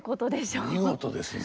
見事ですね。